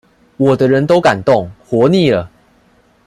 我的人都敢動，活膩了？